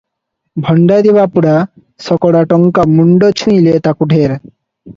ଭଣ୍ଡାରି ବାପୁଡା ଶକଡ଼ା ଟଙ୍କା ମୁଣ୍ଡ ଛୁଇଁଲେ ତାକୁ ଢେର ।